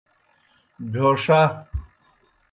بہیو ݜہ۔